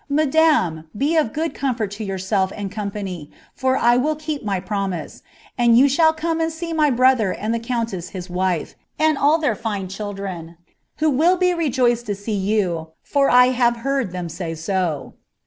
Madam, he of good comfort to yourself and compnny, for I will keep my promise — and you shall come and see my brother and the countess his wife, and all their fine children, who will be rejoiced to see you, for 1 have heard them soy so."